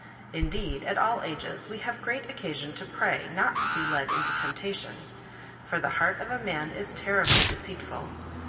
Indeed, at all ages, we have great occasion to pray not to be led into tempta tion; for the heart of man is terribly deceitful.